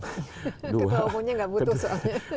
ketua umumnya nggak butuh soalnya